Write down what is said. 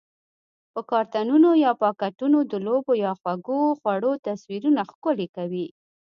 په کارتنونو یا پاکټونو د لوبو یا خوږو خوړو تصویرونه ښکلي کوي؟